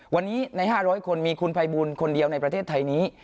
วันนี้ใน๕๐๐คนมีคุณภัยบูลคนเดียวในประเทศไทยนี้